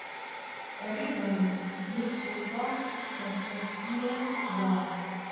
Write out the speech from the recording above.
Erê dayê, me soza serkeftinê da.